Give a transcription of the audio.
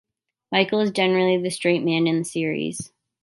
Michael is generally the straight man in the series.